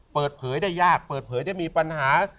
เปิดเผยได้ยากเปิดเผยได้มีปัญหา